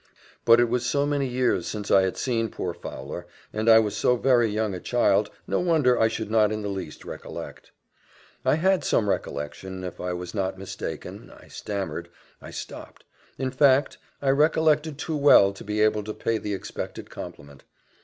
"But it was so many years since I had seen poor Fowler, and I was so very young a child, no wonder I should not in the least recollect." I had some recollection if I was not mistaken I stammered I stopped. In fact, I recollected too well to be able to pay the expected compliment.